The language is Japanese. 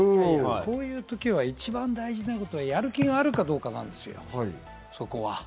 こういうときは一番大事なことは、やる気があるかどうかなんです、そこは。